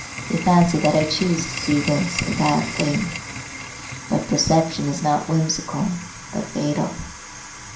They fancy that I choose to see this or that thing. But perception is not whimsical, but fatal.